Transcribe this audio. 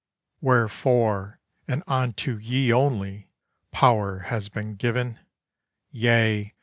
Wherefore and unto ye only power has been given; Yea!